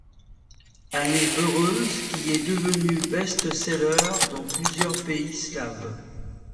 Années heureuses” qui est devenu best-seller dans plusieurs pays slaves.